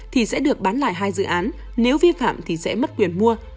thì sẽ được bán lại hai dự án nếu vi phạm thì sẽ mất quyền mua